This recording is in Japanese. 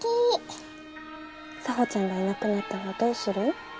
沙帆ちゃんがいなくなったらどうする？